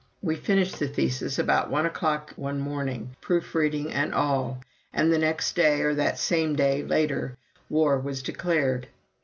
We finished the thesis about one o'clock one morning, proof reading and all; and the next day or that same day, later war was declared.